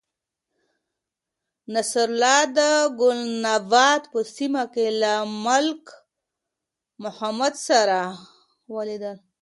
نصرالله د گلناباد په سیمه کې له ملک محمود سره ولیدل.